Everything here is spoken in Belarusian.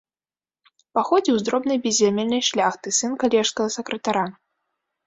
Паходзіў з дробнай беззямельнай шляхты, сын калежскага сакратара.